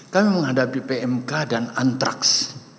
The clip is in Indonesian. kami menghadapi pmk dan antraks